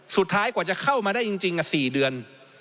สุดท้ายกว่าจะเข้ามาได้จริง๔เดือน